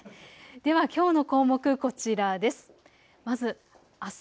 ではきょうの項目、こちらです。